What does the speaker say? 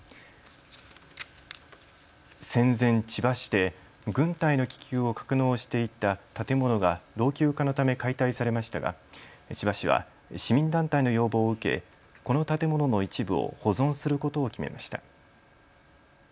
戦前、千葉市で軍隊の気球を格納していた建物が老朽化のため解体されましたが千葉市は市民団体の要望を受け、この建物の一部を保存することを決めました。